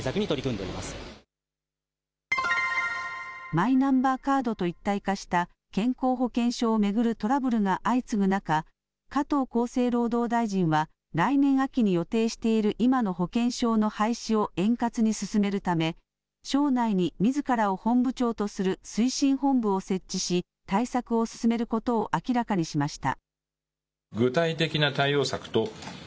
マイナンバーカードと一体化した健康保険証を巡るトラブルが相次ぐ中、加藤厚生労働大臣は来年秋に予定している今の保険証の廃止を円滑に進めるため省内にみずからを本部長とする推進本部を設置し対策を進めることを明らかにしました。